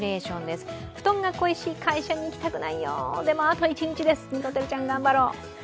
布団が恋しい、会社に行きたくないよ、でもあと一日です、にこてるちゃん、頑張ろう。